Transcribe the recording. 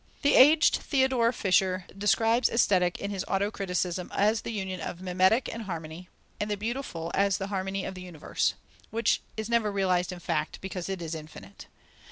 The aged Theodore Fischer describes Aesthetic in his auto criticism as the union of mimetic and harmony, and the beautiful as the harmony of the universe, which is never realized in fact, because it is infinite.